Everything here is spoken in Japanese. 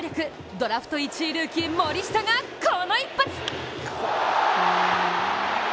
ドラフト１位ルーキー・森下がこの一発！